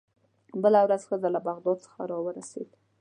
بله ورځ ښځه له بغداد څخه راورسېده.